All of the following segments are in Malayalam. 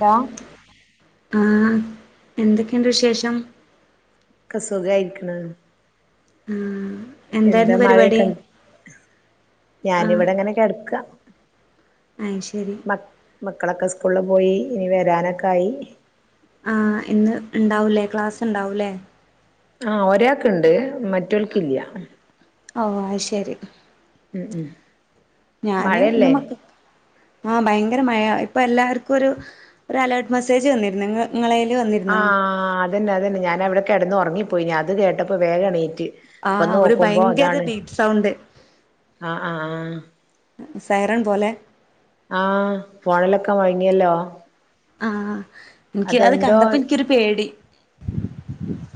ടാ ആഹ് എന്തൊക്കെയുണ്ട് വിശേഷം? ഒക്കെ സുഖായിരിക്ക്‌ണ് ആഹ് എന്താ എന്തായിരുന്നു മഴ പരിപാടി ഒക്കെണ്ട് ഞാനിവിടെങ്ങനെ കെടക്ക അഹ് ശരി മ മക്കളൊക്കെ സ്കൂളില് പോയി ഇനി വരാനൊക്കായി ആഹ് ഇന്ന് ഇണ്ടാവൂല്ലേ ക്ലാസ്സ് ഉണ്ടാവൂല്ലേ ആഹ് ഒരാക്ക്ണ്ട് മറ്റൊൽക്കില്ല ഔ അഹ് ശരി ഉം ഉം ഞാന് ഇന്ന് മഴയല്ലേ മക്കക്ക്‌ ആഹ് ഭയങ്കര മഴ ഇപ്പൊല്ലാവർക്കൊരു ഒരു അലേർട്ട് മെസ്സേജ് വന്നിരുന്നു നിങ്ങ നിങ്ങളെല് വന്നിരുന്നോ? ആഹ് അതന്നെ അതെന്നെ ഞാനവടെ കെടന്നൊറങ്ങിപ്പോയിനി അത് കേട്ടപ്പോ വേഗണീറ്റ് ആഹ് ഒരു ഭയങ്കര ബീറ്റ് സൗണ്ട് ആഹ് ആഹ് ആഹ് സൈറൺ പോലെ ആഹ് ഫോണിലൊക്കെ മൊഴങ്ങിയല്ലോ ആഹ് ഇൻക്ക് അത് കണ്ടപ്പോ ഇൻക്കൊരു പേടി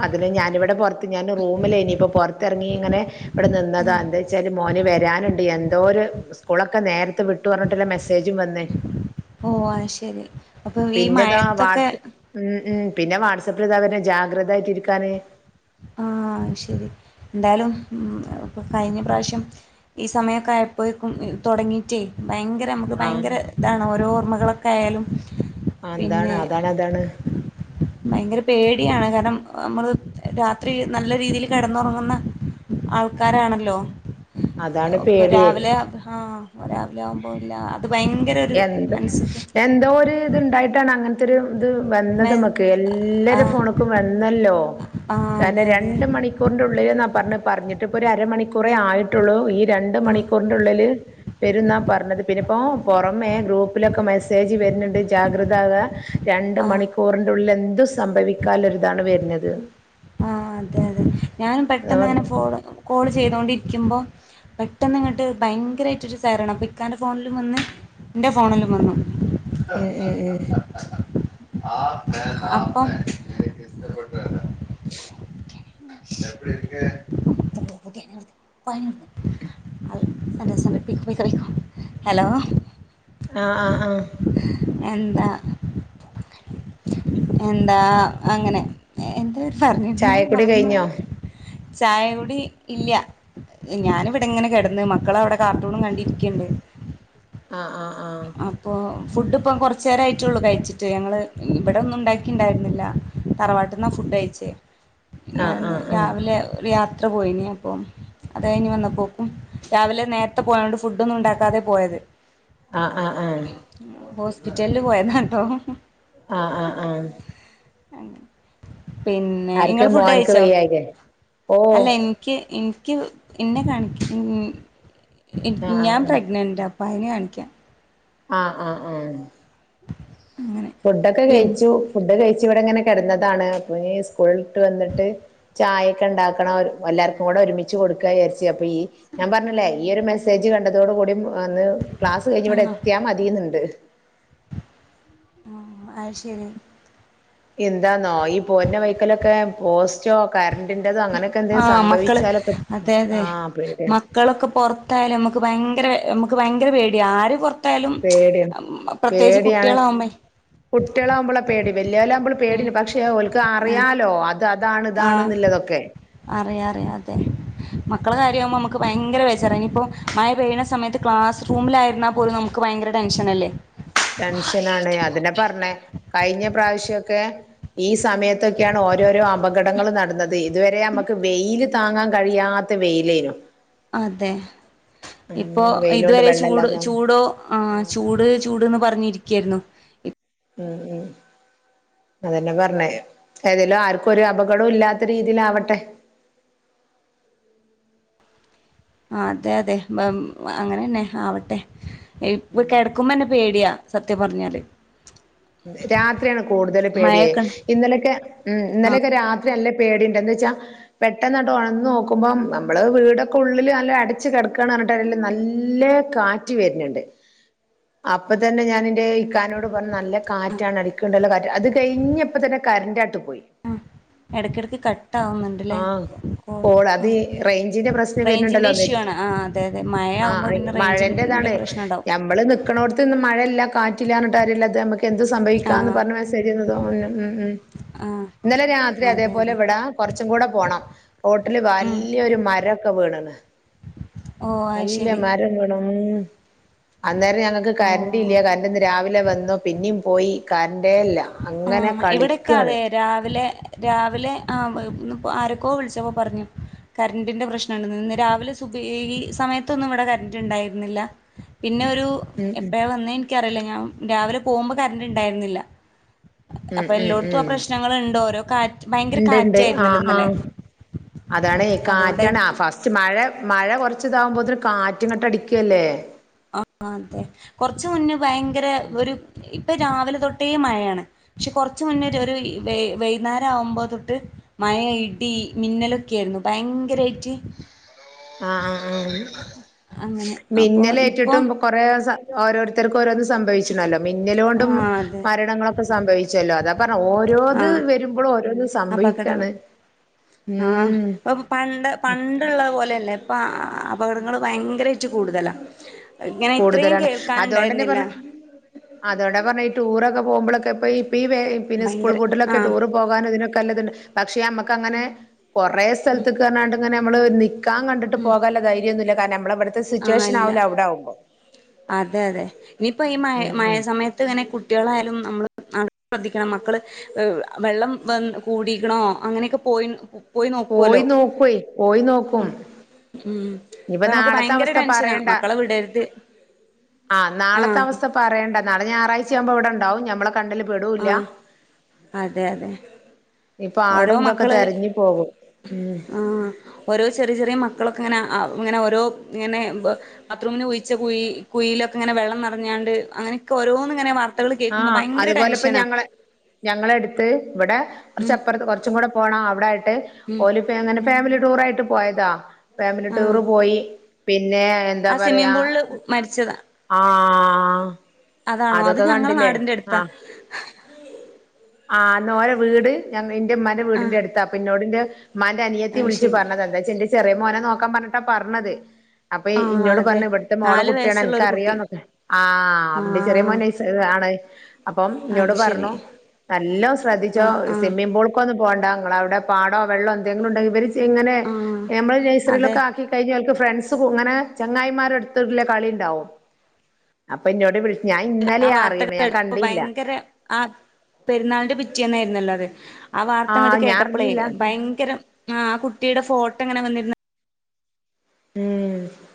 അതിന് ഞാനിവിടെ പൊർത്ത് ഞാന് റൂമിലേനി പ്പൊ ഞാന് പൊർത്തെർങ്ങി ഇങ്ങനെ ഇവടെ നിന്നതാ എന്തേച്ച് [unintelligible] മോന് വരാനുണ്ട് എന്തോര് സ്കൂളൊക്കെ നേരത്തെ വിട്ടു പറഞ്ഞിട്ട് മെസ്സേജും വന്ന് ഓഹ് അഹ് ശരി അപ്പൊ ഈ പിന്നെതാ മഴത്തൊക്കെ വാട്സ് ഉം ഉം പിന്നെ വാട്സആപ്പിൽ ഇതാ വര്ണ് ജാഗ്രതായിട്ടിരിക്കാന് ആഹ് അഹ് ശരി ന്തായാലും ഉം കഴിഞ്ഞ പ്രാവശ്യം ഈ സമയൊക്കെ ആയപ്പയേക്കും തൊടങ്ങീറ്റെ ഭയങ്കര അപ്പം നമുക്ക് ഭയങ്കര ആഹ് ഇതാണ് ഓരോ ഓർമ്മകളൊക്കെയാലും അതാണ് പിന്നെ അതാണ് അതാണ് ഭയങ്കര പേടിയാണ് കാരണം നമ്മള് ത്തിരി നല്ല രീതില് കെടന്നറങ്ങുന്ന ആൾക്കാരാണല്ലോ അതാണ് പ്പൊ പേടിയേ രാവിലെ ആഹ് രാവിലെ ആവുമ്പോ ഇല്ല അത് ഭയങ്കര ഭങ്കയര ഒരു മനസ്സ് എന്തോര് ഇത്ണ്ടായിട്ടാണ് അങ്ങനെ ത്തൊരു ഇത് വന്നത് മെ- നമുക്ക് ആ എല്ലരെ ഫോണ്ക്കും വന്നല്ലോ ആ കാരണം അതെ അതെ രണ്ട് മണി ക്കൂറിന്റെള്ളില്ന്നാ പർഞത് പറഞ്ഞിട്ട് ഇപ്പൊ ഒര് അര മണിക്കൂറെ ആയിട്ടുള്ളൂ ഈ രണ്ട് ആ മണിക്കൂർ ന്റെ ഉള്ളില് വെരുംന്നാ പറഞ്ഞത് പിന്നെപ്പോ പൊറമേ ഗ്രൂപ്പിലൊക്കെ മെസ്സേജ് വരുന്നുണ്ട് ജാഗ്രത ആക രണ്ട് ആ മണിക്കൂറിൻ്റെ ഉള്ളിൽ എന്തും സംഭവിക്കാല്ലൊരിതാണ് വെര്ന്നത് ആഹ് അതെതെ ഞാനും അതാ പെട്ടെന്ന്ങ്ങനെ പറഞ്ഞെ ഫോള് കോള് ചെയ്തോണ്ടിരിക്കുമ്പോ പെട്ടെന്ന് ഇങ്ങട്ട് ഭയങ്കരായിട്ട് ഒരു സൈറൺ അപ്പൊ ഇക്കാന്റെ ഫോണിലും വന്ന് ന്റെ ഫോണിലും വന്നു ഉം ഉം ഉം അപ്പം ഹലോ ആഹ് ആഹ് ആഹ് എന്താ എന്താ അങ്ങനെ എന്ത പറഞ്ഞിരുന്ന് ചായക്കുടി മറന്നു കഴിഞ്ഞോ പോയി ചായ കുടി ഇല്ല ഞാനിവിടെങ്ങനെ കെടന്ന് മക്കളവടെ കാർട്ടൂണും കണ്ടിരിക്ക്ണ്ട് ആഹ് ആഹ് ആ ആഹ് ഇപ്പോ ഫുഡ് ഇപ്പം കൊറച്ച് നേരായിട്ടുള്ളൂ കഴിച്ചിട്ട് ഞങ്ങള് ഇവിടോന്നും ഉണ്ടാക്കീണ്ടായിരുന്നില്ല തറവാട്ടിന്നാ ഫുഡ് കഴിച്ചേ ആഹ് ഞാനിന്ന് ആഹ് ആഹ് രാവിലെ ഒരു യാത്ര പോയിന്നെ അപ്പൊ അത് കഴിഞ്ഞ് വന്നപോക്കും രാവിലെ നേരത്തെ പോയതൊണ്ട് ഫുഡ്ന്നും ണ്ടാക്കാതെ പോയത് ആഹ് ആഹ് ആഹ് ഹോസ്പിറ്റലില് പോയതാട്ടോ ആഹ് ആഹ് ആഹ് പിന്നെ ആർക്ക് നിങ്ങള് ഫുഡ് മോൻക്ക് കഴിച്ചോ? വയ്യായികേ ഓ അല്ല എനിക്ക് എനിക്ക് എന്നെ കാണിക്ക ആഹ് ഞാൻ ആഹ് പ്രഗ്നൻ്റാ വയറിനെ കാണിക്കാൻ ആഹ് ആഹ് ആഹ് അങ്ങനെ ഫുഡൊക്കെ പിൻ കഴിച്ചു ഫുഡ് കഴിച്ചു ഇവിടെ ഇങ്ങനെ കിടന്നതാണ് അപ്പൊ ഇ സ്കൂളട്ട് വന്നിട്ട് ചായൊക്കെ ഉണ്ടാക്കണം എല്ലാവർക്കും കൂടെ ഒരുമിച്ച് കൊടുക്കുക വിചാരിച്ച് ച്ച് അപ്പ ഈ ഞാൻ പറഞ്ഞല്ലേ ഈ ഒരു മെസ്സേജ് കണ്ടതോട്കൂടി വന്ന് ക്ലാസ് കഴിഞ്ഞ് ഇവിടെ ആണോ എത്തിയാൽ മതിയെന്നുണ്ട് ആഹ് അത് ശരി എന്താന്നോ ഈ പോന്ന വൈക്കലൊക്കെ പോസ്റ്റോ കറൻ്റിൻ്റെതോ അങ്ങനെ ആഹ് മക്കള് അതെ അതെ ആഹ് പേടിയാണ് മക്കളൊക്കെ പുറത്ത് ത്തായാലും നമുക്ക് ഭയങ്കര നമുക്ക് ഭയങ്കര പേടിയാ ആരും പുറ ത്തയാലും പേടിയാണ് പ്രത്യേകിച്ച് കുട്ടികളാവുമ്പോ കുട്ടികളാകുമ്പള പേടി വല്യാലാവുമ്പോൾ പേടി ഉം ഉണ്ട് പക്ഷെ പക്ഷേ ഓൽക്ക് ആഹ് അറിയാലോ അത് അതാണ് ഇതാണ്ന്നുള്ളതൊക്കെ അറിയ അറിയ അതെ മക്കള കാര്യമാവുമ്പോ നമുക്ക് ഭയങ്കര ബെജാറാ ഇനിയിപ്പോ മഴ പെയ്യുന്ന സമയത്ത് ക്ലാസ് റൂമിലായിരുന്ന പോലും നമുക്ക് ഭയങ്കര ടെൻഷൻ അല്ലേ ടെൻഷനാണ് അതിനെ പറഞ്ഞേ കഴിഞ്ഞ പ്രാവശ്യക്കെ ഈ സമയത്തൊക്കെയാണ് ഓരോരോ അപകടങ്ങൾ നടന്നത് ഇതുവരെ നമുക്ക് വെയില് താങ്ങാൻ കഴിയാ ത്ത വെയിലരുന്നു അതെ ഇപ്പോ വെയിലോണ്ട് ഇതുവരെ ചൂട് വെള്ളല്ലാതെ ഉം ചൂടോ ആ ചൂട് ചൂട്ന്ന് പറഞ്ഞിരിക്കുകയായിരുന്നു ഉം ഉം അതന്നെ പറഞ്ഞ ഏതേലും ആർക്കും ഒരു അപകടവും ഇല്ലാത്ത രീതിൽ ആവട്ടെ ആ അതെ അതെ അങ്ങനെന്നെ ആവട്ടെ കിടക്കുമ്പോന്നെ പേടിയാ സത്യം പറഞ്ഞാല് രാത്രിയാണ് കൂടുതൽ പേടിയെ മഴയൊക്കെണ്ട് ഇന്നലൊക്കെ ഉം ഇന്നലൊക്കെ രാത്രി നല്ലേ പേടിണ്ട് എന്ന് വെച്ചാ പെട്ടെന്നത് ഉണന്ന് നോക്കുമ്പം നമ്മൾ വീടൊക്കെ ഉള്ളിൽ നല്ലാം അടച്ച് കിടക്കുകയാണ് പറഞ്ഞിട്ടും നല്ല കാറ്റ് വരുന്നുണ്ട്. അപ്പൊ തന്നെ ഞാന എന്റെ ഈക്കാനോട് പറഞ് നല്ല കാറ്റാണ്, അടിക്ണ്ടല്ലോ കാറ്റ്. അത് കഴിഞ്ഞപ്പോ തന്നെ കറന്റ് അങ്ങോട്ട്‌ പോയി. ഇടയ്ക്കിടയ്ക്ക് കട്ട ആവുന്നുണ്ട്. ആഹ് കോൾ അത് റേഞ്ചിന്റെ പ്രശ്നം റേഞ്ചിന്റെ വരുന്നുണ്ടല്ലോ? ഇഷ്യൂ ആണ് ആ അതെ അതെ മഴ ആവുമ്പോ ആഹ്, പിന്നെ റേഞ്ചിന്റെ മഴൻ്റേതാണ്. പ്രശ്നം ഉണ്ടാവും ഞമ്മള് നിക്കണോട്ത് ന്ന് മഴല്ല, കാറ്റില്ല പറഞ്ഞിട്ട് കാര്യം ഇല്ലാത്ത നമ്മക്ക് എന്ത് സംഭവിക്കാ ആ എന്ന് പറഞ്ഞ മെസേജ്ന്ന് തോന്നുന്നു. ഉം, ഉം ആ ഇന്നലെ രാത്രി അതേ അതെ പോലെ അതെ ഇവിട. കുറച്ചും കൂടെ പോണം, റോട്ടില് ഉം വലിയ ഒരു മരൊക്കെ വീണ്ക്ക്ണ്. ഓ അത് നല്ല ശരി മരം വീണുന്ന്. അന്നേരം ഞങ്ങൾക്ക് കറൻ്റ് ഓ ഇല്ല കറണ്ട് ഒന്ന് രാവിലെ വന്ന്. പിന്നെയും പോയി കറൻ്റേ ഇല്ല. അങ്ങനെ ആഹ്, ഇവിടെയൊക്കെ കളിക്കാണ് അതെ രാവിലെ രാവിലെ ആഹ്, ഇന്ന് ഇപ്പോ ആരൊക്കോ വിളിച്ചപ്പോ പറഞ്ഞു. കറൻ്റിൻ്റെ പ്രശ്നമുണ്ട്. ഇന്ന് രാവിലെ സുബി ഈ സമയത്തൊന്നും ഇവിടെ കറന്റ് ഉണ്ടായിരുന്നില്ല. പിന്നെ, ഒരു ഉം ഉം എപ്പോഴാ വന്ന എനിക്കറിയില്ല ഞാൻ രാവിലെ പോകുമ്പോൾ കറണ്ട് ഉണ്ടായിരുന്നില്ല. ഉം, അപ്പൊ ഉം, എല്ലോടത്തും ആ ഉം. പ്രശ്നങ്ങൾ ഉണ്ട് ഓരോ കാറ്റ് ഭയങ്കര ഉണ്ട്, ഉണ്ട് കാറ്റായിരുന്നല്ലോ ആഹ്, ഇന്നലെ ആഹ് അതാണ്, കാറ്റാണ് ആഹ് അതുകൊണ്ടായിരിക്കും ഫസ്റ്റ്. മഴ, മഴ കുറച്ച ഇതാവുമ്പോത്തിന് കാറ്റുങ്ങട്ട് അടിക്കല്ലേ? ആഹ്, അതെ. കുറച്ച് മുന്നേ ഭയങ്കര ഒരു ഇപ്പൊ, രാവിലെ തൊട്ടേ മഴയാണ്. പക്ഷെ, കുറച്ച് മുന്നേ ഒരു വൈ വൈകുന്നേരം ആവുമ്പോ തൊട്ട് മഴ, ഇടി മിന്നലൊക്കെ ആയിരുന്നു ഭയങ്കരായിട്ട് ആഹ്, ആഹ്, ആഹ് അങ്ങനെ അപ്പോ മിന്നൽ ഇപ്പൊ ഏറ്റിട്ടും. കൊറേ ഓരോരുത്തർക്കും ഓരോന്ന് സംഭവിച്ചിണല്ലോ. മിന്നൽ കൊണ്ടും ആഹ് അതെ മരണങ്ങളൊക്ക സംഭവിച്ചല്ലോ. അത ഓരോത് ആഹ് വരുമ്പോഴും ഓരോന്ന് അപകടങ്ങൾ സംഭവിക്കാണ്. ആഹ് ഉം ഇപ്പൊ പണ്ട്, പണ്ടുള്ളത് പോലെയല്ല. ഇപ്പ അപകടങ്ങള് ഭയങ്കരായിട്ട് കൂടുതലാ. ഇങ്ങനെ ഇത്രയും കൂടുതലാണ് കേൾക്കാൻ ഉണ്ടായിരുന്നില്ല. അത് കൊണ്ട പറഞ്ഞെ, ഈ ടൂറൊക്കെ പോകുമ്പളൊക്കെ പ്പോ ഇപ്പ, ബേ പിന്നെ സ്കൂൾ ഭയങ്കര പൂട്ട ലൊക്കെ ആഹ് ടൂർ പോകാനും ഇതിനൊക്കെല്ലതുണ്ട്. പക്ഷെ, നമുക്ക് അങ്ങനെ കൊറെ സ്ഥലത്ത് ക്ക് അറിഞ്ഞാണ്ട് നമ്മള്, നിക് നിൽക്കാൻ കണ്ടിട്ട് പോകാൻള്ള ധൈര്യൊന്നുല്ല. കാരണം നമ്മളെ ഇ വിട്ത്തെ ആഹ് സിറ്റുവേഷൻ ആവൂല ഇല്ല അവിടെ ആകുമ്പോ? അതെ, അതെ ഇനിയിപ്പോ ഈ മഴ, ഉം മഴ ഉം സമയത്ത് ത്ത്ങ്ങനെ കുട്ടികളായാലും, നമ്മൾ നല്ലോണം ശ്രദ്ധിക്കണം മക്കൾ വെള്ളം വ കൂടിക്കണോ? അങ്ങനെയൊക്കെ പോയി നോക്കുവല്ലോ പോയി നോക്കുവെ, പോയി നോക്കും. ഉം, അപ്പ ഇനിപ്പ നമുക്ക് നാളത്തെ ഭയങ്കര അവസ്ഥ ടെൻഷനാ പറയണ്ട മക്കളെ വിടരുത്. ആഹ്, നാളത്തെ അവസ്ഥ പറയണ്ട. നാളെ ഞായറാഴ്ച ആവുമ്പോ ഇവിടെണ്ടാവും ഞമ്മള കണ്ണിൽ പെടൂല്ല. ആഹ് അതെ അതെ ഈ, ഓരോ പാടും തൊക്കെ മക്കള് തെരഞ്ഞു പോകും. ഉം ആഹ് ഓരോ ചെറിയ, ചെറിയ മക്കളൊക്കെ ഇങ്ങനെ, ആഹ്, ഇങ്ങനെ ഓരോ ഇങ്ങനെ ബ്. ബാത്‌റൂമിന് കുഴിച്ച കുഴി, കുഴയി ലൊക്കെങ്ങനെ വെള്ളം നിറഞ്ഞാണ്ട്, അങ്ങനെയൊക്ക, ഓരോന്ന് ഇങ്ങനെ വാർത്ത ആഹ്, അതുപോലെ ഇപ്പ ഞങ്ങളെ ഞങ്ങളെ എടുത്ത് ഇവിടെ ഉം കുറച്ചപ്പുറത്ത് കുറച്ചും കൂടെ പോണം. അവിടെ ആയിട്ട് ഉം ഓൽ അങ്ങനെ, ഫാമിലി ടൂർ ആയിട്ട് പോയതാ ഫാമിലി ടൂർ ആഹ് പോയി. പിന്നെ, എന്താ ആ പറയാ, സ്വിമ്മിംഗ് പൂളില് മരിച്ചതാ ആഹ് അതാണോ, അത് അത്, അതൊക്കെ ഞങ്ങളെ കണ്ടില്ലേ നാടിന്റെ അടുത്താ. ആഹ് ആഹ് ഇന്നാ ഓരെ വീട് ഇന്റെ ഇമ്മാന്റെ വീടിന്റെ ആഹ് അടുത്താ. അപ്പൊ ഇന്നോട് ഇന്റെ ഇമ്മാന്റെ അനിയത്തി അത് വിളിച്ചു ശരി പറഞ്ഞതാ. എന്തോയ്ച്ചാ ഇന്റെ ചെറിയ മോനെ നോക്കാ പറഞ്ഞിട്ട പറഞ്ഞത്. അപ്പൊ ആഹ് ഇന്നോട് അതെ പറഞ്ഞു ഇവിട്ത്തെ മോളെ നാല് കുട്ടിയാണ്. വയസ്സുള്ള ഒരു കുട്ടി അൻക്കറിയോന്നൊക്കെ. ആഹ് ഇന്റെ ചെറിയ ആഹ് മോന്റെ ആണ്. അപ്പം ഇന്നോട് അത് ശരി പറഞ്ഞു. നല്ലോം ശ്രദ്ധിച്ചോ ആഹ് ആഹ് സ്വിമ്മിംഗ് പൂൾ - - ക്കൊ ഒന്നും പോണ്ട. ഇങ്ങളെ അവിടെ പാടോ വെള്ളോ എന്തെങ്കിലും ഉണ്ടെങ്കിൽ ഇവര് ഇങ്ങനെ ആഹ് നമ്മൾ അതെ നേഴ്സറിലൊക്കെ ആക്കി കഴിഞ്ഞോൽക്ക് ഫ്രണ്ട്സ് ഇങ്ങനെ ചങ്ങായിമാരട്ത്തുള്ള കളിണ്ടാവും. അപ്പൊ എന്നോട് വിളിച്ചു ഞാൻ ആ ഇന്നലെയാ വാർത്തകൾ അറിണ് ഞാൻ കേട്ടപ്പോ കണ്ടില്ല. ഭയങ്കര ആ പെരുന്നാളിന്റെ പിറ്റേന്ന്ന്നായിരുന്നല്ലോ അത്. ആ വാർത്ത ഇങ്ങട്ട് ആഹ് ഞാൻ കേട്ടപ്പളേ അറിഞ്ഞില്ല ഭയങ്കരം ആ കുട്ടിയുടെ ഫോട്ടോ ഉങ്ങനെ വന്നിരുന്ന ഉം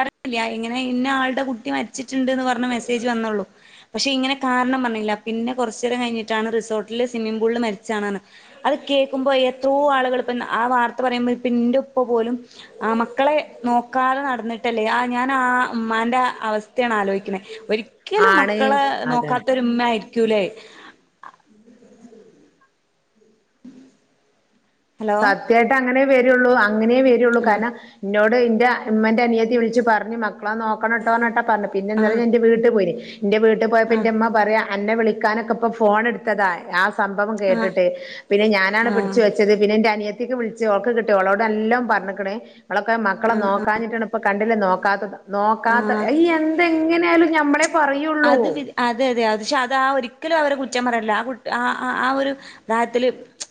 അറിഞ്ഞില്ല. ഇങ്ങനെ ഇന്ന ആളുടെ കുട്ടി മരിച്ചിട്ടുണ്ട്ന്ന് പറഞ് മെസ്സേജ് വന്നോള്ളൂ. പക്ഷെ ഇങ്ങനെ കാരണം പറഞ്ഞില്ല. പിന്നെ കൊറ്ച്ചേരം കഴിഞ്ഞിട്ടാണ് റിസോർട്ടില് സ്വിമ്മിംഗ് പൂളിൽ മരിച്ചാണ്ന്ന്. അത് കേൾക്കുമ്പോ എത്രാം ആളുകൾ ഇപ്പ ആ വാർത്ത പറയുമ്പോ ഇപ്പോ ഇന്റെ ഇപ്പ പോലും. ആ മക്കളെ നോക്കാതെ നടന്നിട്ട് ട്ടല്ലേ. ആ ഞാൻ ആ ഉമ്മാന്റെ അവസ്ഥയാണ് ആലോചിക്ക്ണെ. ഒരിക്കലും ആണ് മക്കളെ അതാണ് നോക്കാത്ത ഇമ്മ ആയിരിക്കൂല അയ് ഹലോ സത്യായിട്ട് അങ്ങനെേ വരുള്ളൂ അങ്ങനേ വരുള്ളൂ ആഹ് കാരണം ഇന്നോട് ഇന്റെ ഇമ്മന്റെ അനിയത്തി വിളിച്ച് പറഞ് മക്കളെ നോക്കണം. നോക്കണംട്ടോ ന്നേ. അറ്ഞ്ഞട്ട പറഞ്ഞെ. പിന്നെ ന്നെലെ ആഹ് ഞാൻ ന്റെ വീട്ടിൽ പോയീനി ന്റെ വീട്ടിൽ പോയപ്പോ ന്റെ മ്മ പറയാ അന്നെ വിളിക്കാനൊക്കെ ഇപ്പൊ ഫോൺ എടുത്തതാ ആ സംഭവം ആഹ് ആഹ് കേട്ടിട്ട് പിന്നെ ഞാനാണ് ആഹ് പിടിച്ച് വെച്ചത് പിന്നെ ഇന്റെ അനിയത്തിക്ക് വിളിച്ച് ഓക്ക് കിട്ടി ഓളോട് നല്ലം പറഞ്ഞ്ക്ക്ണ് അവളൊക്കെ മക്കളെ ആഹ് നോക്കാഞ്ഞിട്ടാണ് ഇപ്പ കണ്ടില്ലേ നോക്കാത്തത് ആഹ് നോക്കാത്ത ആഹ് അയ്യ. എങ്ങനെയാലും നഞമ്മുടെ അത് അതെ അതെ അ പക്ഷെ അത ആ ഒരിക്കലും അവരെ കുറ്റ പററല്ല ആ കുട്ട ആ ആ ഒരു അതായഹത്തില്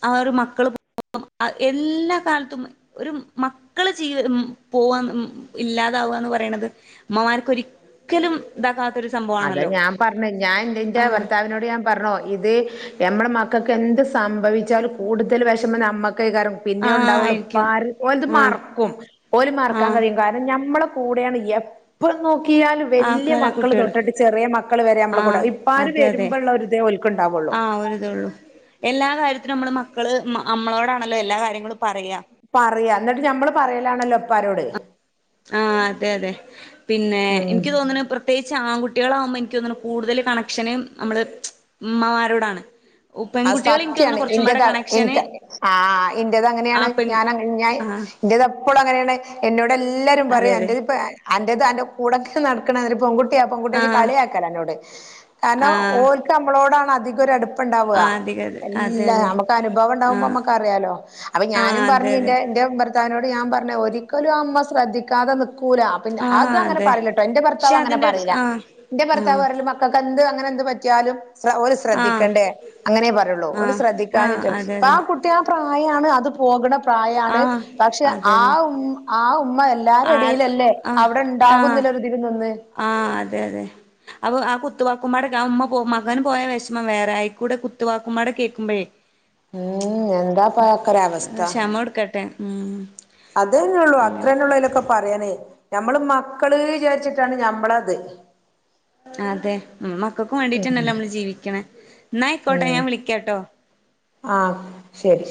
ആ ഒരു മക്കള് പോം എല്ലാ കാലത്തും ഒരു മക്കള് ജീ ഉം പോവാ ഉ ഇല്ലാതാവാന്ന് പറയണത്. അമ്മ്മാർക്ക് ഒരിക്കലും ഇതാക്കാത്തൊരു അത സംഭവാണല്ലോ ഞാൻ പറഞ്ഞെ. ഞാൻ എന്റെ ആഹ് ഭർത്താവിനോട് ഞാൻ പറഞ്ഞോ ഇത് ഞമ്മടെ മക്കൾക്ക് എന്ത് സംഭവിച്ചാലും കൂടുതൽ വിഷം അമ്മക്കൈ കാരം. പിന്നെ ആഹ് ഉണ്ടായിള്ളക പ്പ ആയിരിക്കും ഓത് ആഹ് മറക്കും ഓല മറക്കാൻ ആഹ് കഴിയും ഞമ്മള കൂടെയാണ് എപ്പ നോക്കിയാലും വലിയ ആക്കാര മക്കൾ കുട്ടികള് തൊപ ചെറിയ മക്കള് വരെ നമ്മളെ കൂടെ. ആഹ് ഇപ്പാര് വരുമ്പ ഇള്ള ഒര് ഇതെ ഓൽക്ക് ഇണ്ടാവൊള്ളൂ. ഒര് ഇതൊെള്ളു. എല്ലാ കാര്യത്തിും നമ്മള് മക്കള് നമ്മളോടാണല്ലോ എല്ലാ കാര്യങ്ങളും പറയ. പറ്യ. ഇന്നട്ട് ഞമ്മള് പറയലാണല്ലൊ ഇപ്പാരോട്. ആ അതെ അതെ. പിന്നെ ഉം ഇൻക്ക് തോന്ന്ണെ പ്രി പ്രത്യേകിച്ച് ആൺകുട്ട്യേളാവുമ്പം എനിക്ക് തോന്ന്ണ് കൂടുതല് കണക്ഷന് നമ്മള് ഉമ്മമാരോടാണ്. അ പെൺകുട്ടികൾ എനിക്ക് സത്യാണ്. തോന്നുന്നു കുറച്ചും പാടെ ഇന്റത കണക്ഷന് ഇൻക്. ആ ഇന്റേത് ആ അങ്ങനേണ്. പെൺ ഞാൻ അങ്ങനെ ആഹ് ഇന്റെത് എപ്പളും അങ്ങനേണ്. ഇന്നോട് എല്ലാരും അതെ പറയും അതെ അന്റഹ്പ്പ - - അന്റെേത് അന്റെ കൂടെക്കെ നടക്ക്ണ ഒരു പെൺക്കു കുട്ട്യ. പെങ്കുട്ട്യച്ച് ആഹ് കളിയാക്കല ഇന്നോട്. കാരണം ആഹ് ഓൽക്ക് നമ്മളോടാണ് അധികം ഒര് അടുപ്പം ഇണ്ടാവ. ആഹ് അധിക അതെ എല്ല. അതെ നമ്മുക്ക് അനുഭവം ഇണ്ടാവുമ്പോ നമ്മക്ക് അറിയാലോ. അപ്പൊ ഞാനും പറഞ്ഞു അതെ എറെ എന്റെ ഭർ ഇക്കാനോട് ഞാൻ പറഞ്ഞു ഒരിക്കലും അമ്മ ശ്രദ്ധിക്കാതെ നി കൂല. അ ആഹ് അത് ആഹ് അങ്ങനെ അതെ അതെ ആഹ് അതെ പറീലട്ടൊ. ഇന്റെ പക്ഷെ ഭർത്താവ് അങ്ങനെ അതിന്റെ പറീല. ആഹ് ഇന്റെ ഭർത്താവ് ആഹ് ക്കെ എന്ത് അങ്ങനെ എന്ത് പറ്റ്യാലും ഓല് ആഹ് ശ്രദ്ധിക്കണ്ടേ. അങ്ങനെ പറയൊള്ളൂ. ഓല് ആഹ് ആഹ് ശ്രദ്ധിക്കാഞ്ഞിട്ട. അതെ ഇപ്പ ആ അതെ കുട്ടി ആ പ്രായാണ് അത് പോക്ണ പ്രായാണ് ആഹ് പക്ഷെ അതെ അതെ ആഹ് ഉമ്മ ആഹ് ഉമ്മ എല്ല എല്ലാരും ആ എടീലല്ലെ ആഹ് അവ്ടെ ആഹ് ഉണ്ടാകുന്നില്ല ഒര്തില് നിന്ന് ആഹ് അതെ അതെ അപ്പൊ ആഹ് കുത്തുവാക്കുമാടെ ആഹ് ഉമ്മ പോ മകന് പോയ വെഷ്മം വേറെ അയ്ക്കുടെ കുത്തുവാക്കുമ്മാടെ കേക്കുമ്പഴെ ഉ ഉം എന്താപ്പൊ അതൊക്കരവസ്ഥ നോട്കട്ടെ ഉം അത് തന്നെ ഒള്ളു അങ്ങനെ അത്രന്നൊള്ളു അയിലൊക്ക പറയാനെ ഞമ്മള് മക്കള് വിചാരിച്ചിട്ടാണ് ഞമ്മളത് അതെ ഉം മക്കക്കു വേണ്ടീട്ടന്നല്ലെ ഉം നമ്മള് ജീവിക്ക്ണെ ഇന്ന അയ്ക്കോട്ടെ ഉം ഞാൻ വിളിക്കാട്ടൊ ആഹ് ശരി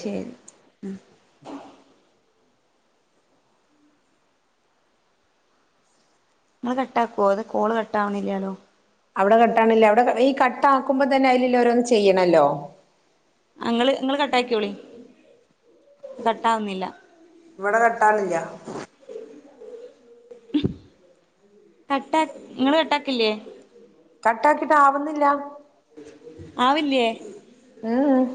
ഇങ്ങൾ കട്ടാക്കോ അതൊ കോൾ കട്ടാവുന്നില്ല്യാലൊ അവ്ടെ കട്ടാണില്ല അവ്ടെ ഈ കട്ടാക്കുമ്പൊ തന്നെ അയിലല്ല ഓരോന്നും ചെയ്യ്ണല്ലൊ ഇങ്ങള് ഇങ്ങള് കട്ടാക്ക്യോളിം കട്ടാവുന്നില്ല ഇവ്ടെ കട്ടാനില്ല കട്ടാ ഇങ്ങള് കട്ടാക്കില്ലേ കട്ടാക്കീട്ട് ആവുന്നില്ല ആവില്ലേ ഉം ഉം